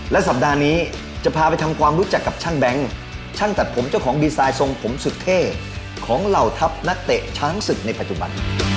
และสัปดาห์นี้จะพาไปทำความรู้จักกับช่างแบงค์ช่างตัดผมเจ้าของดีไซน์ทรงผมสุดเท่ของเหล่าทัพนักเตะช้างศึกในปัจจุบัน